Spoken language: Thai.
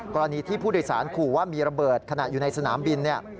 กรณีที่ผู้โดยสารขู่ว่ามีระเบิดขณะอยู่ในสนามบิน